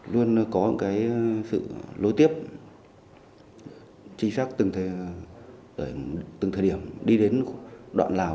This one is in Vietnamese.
luôn có một cái sự lối tiếp chính xác từng thời điểm đi đến đoạn lào